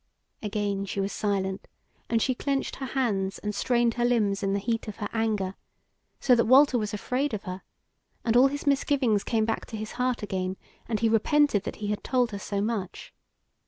Again she was silent, and she clenched her hands and strained her limbs in the heat of her anger; so that Walter was afraid of her, and all his misgivings came back to his heart again, and he repented that he had told her so much.